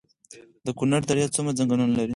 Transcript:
د کونړ درې څومره ځنګلونه لري؟